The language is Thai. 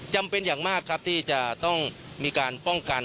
จำเป็นอย่างมากครับที่จะต้องมีการป้องกัน